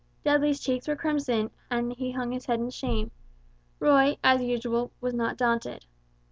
Dudley's cheeks were crimson, and he hung his head in shame. Roy, as usual, was not daunted.